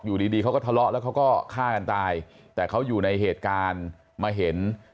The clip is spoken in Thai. อยู่ดีดีเขาก็ทะเลาะแล้วเขาก็ฆ่ากันตายแต่เขาอยู่ในเหตุการณ์มาเห็น